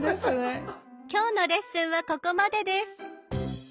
今日のレッスンはここまでです。